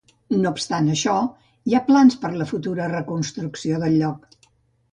No obstant això, hi ha plans per a la futura reconstrucció del lloc.